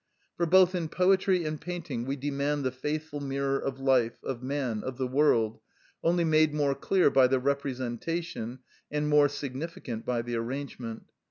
For both in poetry and painting we demand the faithful mirror of life, of man, of the world, only made more clear by the representation, and more significant by the arrangement.